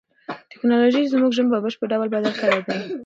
تکنالوژي زموږ ژوند په بشپړ ډول بدل کړی دی.